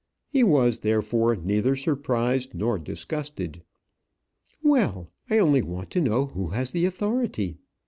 He was, therefore, neither surprised nor disgusted. "Well! I only want to know who has the authority.